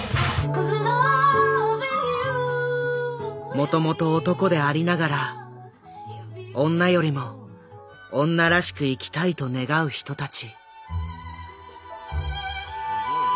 もともと男でありながら女よりも女らしく生きたいと願う人たち。